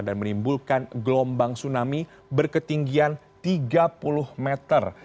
dan menimbulkan gelombang tsunami berketinggian tiga puluh meter